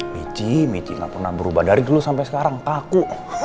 michi michi gak pernah berubah dari dulu sampai sekarang kaku